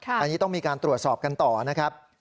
อันนี้ต้องมีการตรวจสอบกันต่อนะครับ